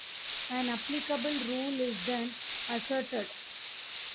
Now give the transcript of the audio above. An applicable rule is then asserted.